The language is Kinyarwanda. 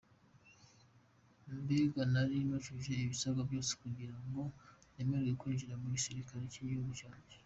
Mbega nari nujuje ibisabwa byose kugira ngo nemererwe kwinjira mu gisilikari cy’igihugu cyanjye.